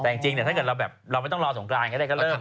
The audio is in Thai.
แต่จริงเนี่ยถ้าเกิดเราแบบเราไม่ต้องรอสงกรานก็ได้ก็เริ่ม